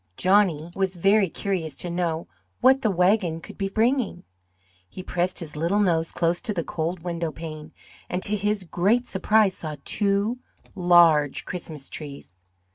Johnny was very curious to know what the wagon could be bringing. He pressed his little nose close to the cold window pane, and to his great surprise, saw two large Christmas trees.